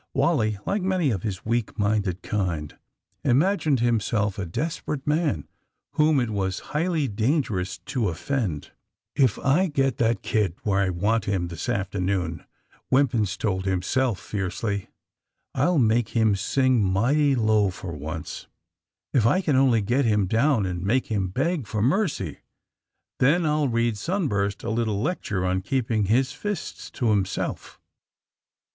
Wally, like many of his weak minded kind, imagined himself a des perate man, whom it was highly dangerous to offend. ^*If I get that kid where I want him this afternoon, '' Wimpins told himself fiercely, I'll make him sing mighty low for once. If I can only get him down and make him beg for mercy ! Then I '11 read Sunburst a little lecture on keeping his fists to himself."